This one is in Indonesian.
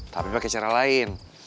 tapi pakai cara lain